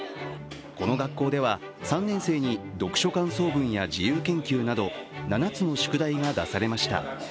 この学校では３年生に読書感想文や自由研究など７つの宿題が出されました。